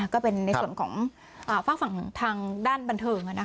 ก็เป็นในส่วนของฝากฝั่งทางด้านบันเทิง